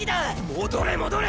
戻れ戻れ！